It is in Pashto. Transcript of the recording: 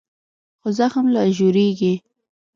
خو زخم لا ژورېږي.